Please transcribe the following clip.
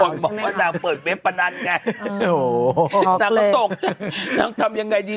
คุณพ้ากูเป็นคนพาไปรุงงาน